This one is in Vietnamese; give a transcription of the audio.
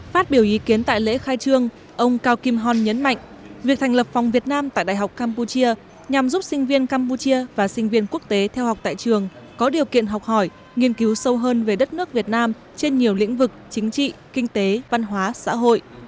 phát biểu ý kiến tại lễ khai trương ông cao kim hon nhấn mạnh việc thành lập phòng việt nam tại đại học campuchia nhằm giúp sinh viên campuchia và sinh viên quốc tế theo học tại trường có điều kiện học hỏi nghiên cứu sâu hơn về đất nước việt nam trên nhiều lĩnh vực chính trị kinh tế văn hóa xã hội